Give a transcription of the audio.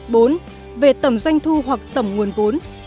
bốn về tầm doanh thu hoặc tầm nguồn vốn